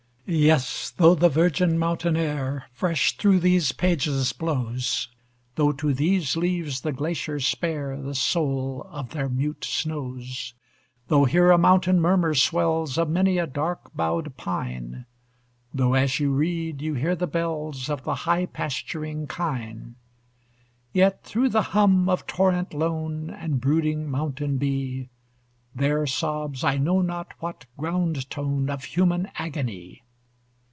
Yes, though the virgin mountain air Fresh through these pages blows; Though to these leaves the glaciers spare The soul of their mute snows; Though here a mountain murmur swells Of many a dark boughed pine; Though, as you read, you hear the bells Of the high pasturing kine Yet, through the hum of torrent lone, And brooding mountain bee, There sobs I know not what ground tone Of human agony.